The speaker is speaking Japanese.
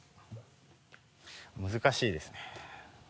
難しいですね。